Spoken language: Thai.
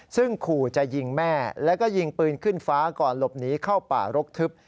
ซึ่งขู่จะยิงแม่แล้วก็ยิงปืนขึ้นฟ้าก่อนหลบหนีเข้าป่ารกทึบ